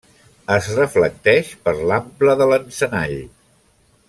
Es reflecteix per l'ample de l'encenall.